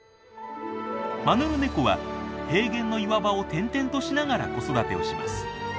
マヌルネコは平原の岩場を転々としながら子育てをします。